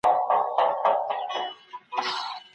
ډيموکراسي به په ټولنه کي پلي سي.